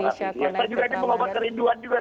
miftah juga ini mau ngobrol kerinduan juga kan